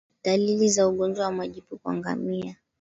Dalili za ugonjwa wa majipu kwa ngamia